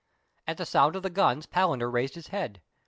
At the sound of the guns Palander raised his head.